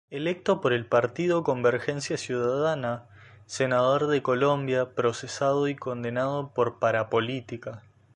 Electo por el Partido Convergencia Ciudadana senador de Colombia procesado y condenado por parapolítica.